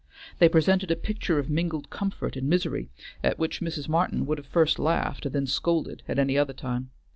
They presented a picture of mingled comfort and misery at which Mrs. Martin would have first laughed and then scolded at any other time.